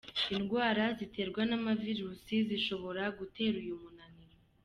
ndwanra ziterwa n’ama virus zishobora gutera uyu munaniro.